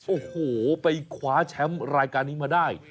โอ้โหไปคว้าแชมป์รายการนี้มาได้